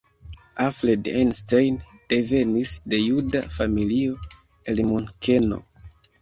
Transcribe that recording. Alfred Einstein devenis de juda familio el Munkeno.